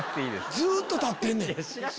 ずっと立ってんねん。